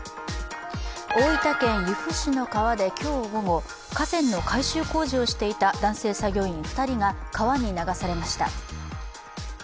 大分市由布市の川で今日午後河川の改修工事をしていた男性作業員２人が川に流されました。